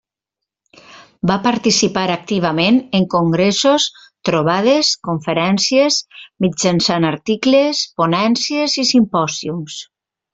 Va participar activament en congressos, trobades, conferències, mitjançant articles, ponències i simpòsiums.